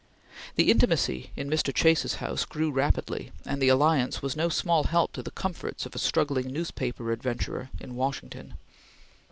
The intimacy in Mr. Chase's house grew rapidly, and the alliance was no small help to the comforts of a struggling newspaper adventurer in Washington.